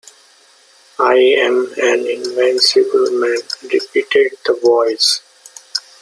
"I am an Invisible Man," repeated the Voice.